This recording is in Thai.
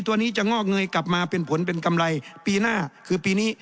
ตัวนี้จะงอกเงยกลับมาเป็นผลเป็นกำไรปีหน้าคือปีนี้